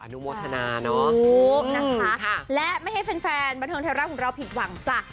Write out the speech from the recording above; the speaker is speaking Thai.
อนุโมทนาเนอะคุณคุณค่ะและไม่ให้แฟนบันทึงเทราของเราผิดหวังจ้ะ